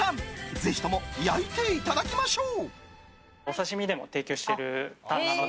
ぜひとも焼いていただきましょう。